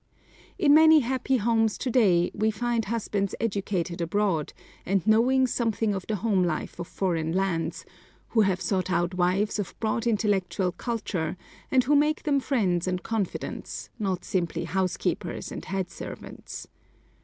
In many happy homes to day, we find husbands educated abroad, and knowing something of the home life of foreign lands, who have sought out wives of broad intellectual culture, and who make them friends and confidants, not simply housekeepers and head servants.